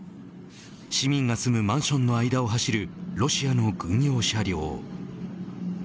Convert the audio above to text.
市民が住むマンションの間を走るロシアの軍用車両。